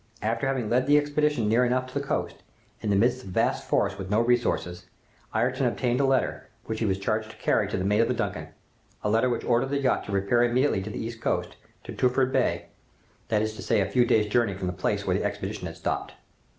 After having led the expedition near enough to the coast, in the midst of vast forests with no resources, Ayrton obtained a letter, which he was charged to carry to the mate of the 'Duncan' a letter which ordered the yacht to repair immediately to the east coast, to Twofold Bay, that is to say a few days' journey from the place where the expedition had stopped.